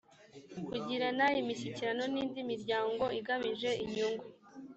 kugirana imishyikirano n indi miryango igamije inyungu